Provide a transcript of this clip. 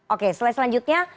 oke slide selanjutnya